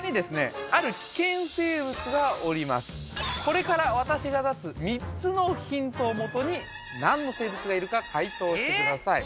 急にきたなこれから私が出す３つのヒントを元に何の生物がいるか解答してください